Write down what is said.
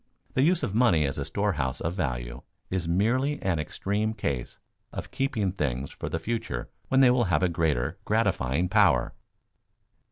The use of money as a storehouse of value is merely an extreme case of keeping things for the future when they will have a greater gratifying power.